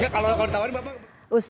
kalau ditawarin bapak